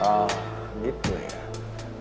oh gitu ya